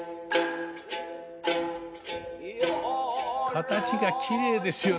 形がきれいですよね。